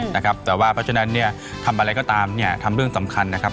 แต่เพราะฉะนั้นทำอะไรก็ตามทำเรื่องสำคัญนะครับ